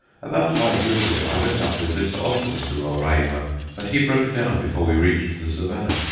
About five years ago I went up with Mr. Osmers to Roraima, but he broke down before we reached the Savannah.